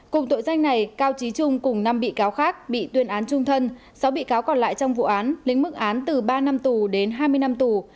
cùng tội danh này cao trí trung cùng năm bị cáo khác bị tuyên án trung thân sáu bị cáo còn lại trong vụ án lĩnh mức án từ ba năm tù đến hai mươi năm tù